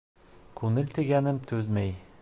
Күңел тигәнем түҙмәй.